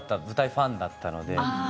舞台ファンだったので。